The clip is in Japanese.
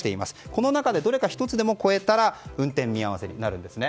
この中でどれか１つでも超えたら運転見合わせになるんですね。